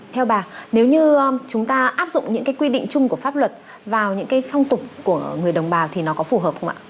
theo bà nếu như chúng ta áp dụng những cái quy định chung của pháp luật vào những cái phong tục của người đồng bào thì nó có phù hợp không ạ